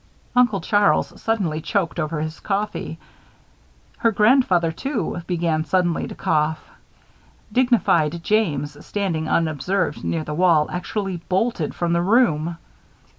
Uncle Charles suddenly choked over his coffee. Her grandfather, too, began suddenly to cough. Dignified James, standing unobserved near the wall, actually bolted from the room.